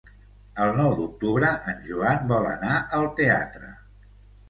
El nou d'octubre en Joan vol anar al teatre.